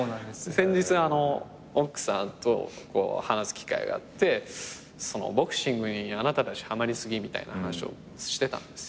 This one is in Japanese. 先日奥さんと話す機会があってボクシングにあなたたちはまり過ぎみたいな話をしてた。